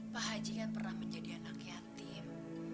pak haji kan pernah menjadi anak yatim